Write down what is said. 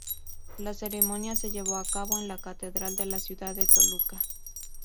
La ceremonia se llevó a cabo en la catedral de la ciudad de Toluca.